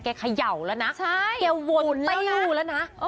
เขย่าแล้วนะแกวนไม่อยู่แล้วนะ